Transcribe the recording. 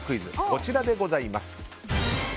こちらでございます。